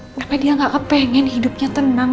pokoknya dia gak kepengen hidupnya tenang